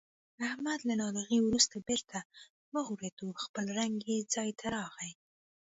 احمد له ناروغۍ ورسته بېرته و غوړېدو. خپل رنګ یې ځای ته راغی.